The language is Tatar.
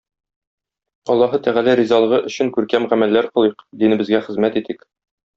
Аллаһы Тәгалә ризалыгы өчен күркәм гамәлләр кылыйк, динебезгә хезмәт итик.